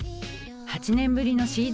８年ぶりのＣＤ